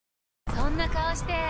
そんな顔して！